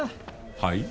はい？